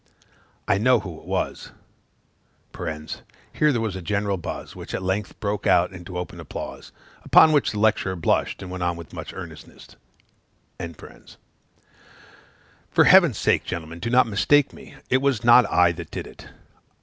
I know who it was. (_Here there was a general buzz, which at length broke out into open applause; upon which the lecturer blushed, and went on with much earnestness_.) For Heaven's sake, gentlemen, do not mistake me; it was not I that did it.